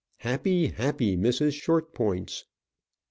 Happy, happy Mrs. Shortpointz!